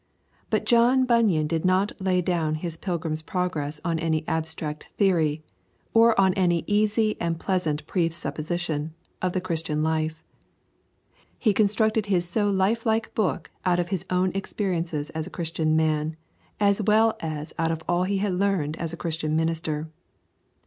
But John Bunyan did not lay down his Pilgrim's Progress on any abstract theory, or on any easy and pleasant presupposition, of the Christian life. He constructed his so lifelike book out of his own experiences as a Christian man, as well as out of all he had learned as a Christian minister.